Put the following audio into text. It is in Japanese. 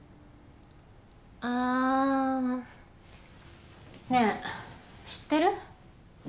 ああねえ知ってる？